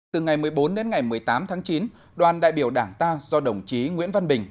từ ngày một mươi bốn đến ngày một mươi tám tháng chín đoàn đại biểu đảng ta do đồng chí nguyễn văn bình